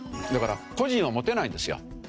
だから個人は持てないんですよ。